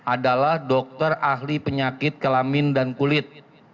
adalah dokter ahli penyakit kelamin dan kulit